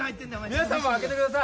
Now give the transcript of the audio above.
皆さんも開けてください。